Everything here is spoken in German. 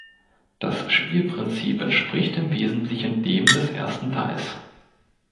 Das Spielprinzip entspricht im Wesentlichen dem des ersten Teils.